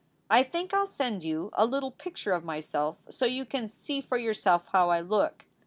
I think 111 send you a little Picture of my self so you can see for your self how I look.